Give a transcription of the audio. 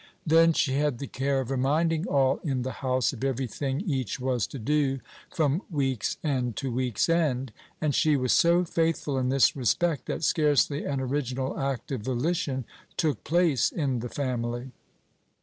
Then she had the care of reminding all in the house of every thing each was to do from week's end to week's end; and she was so faithful in this respect, that scarcely an original act of volition took place in the family.